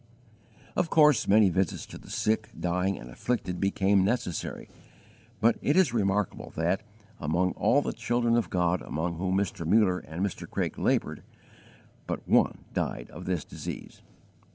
Of course many visits to the sick, dying, and afflicted became necessary, but it is remarkable that, among all the children of God among whom Mr. Muller and Mr. Craik laboured, but one died of this disease.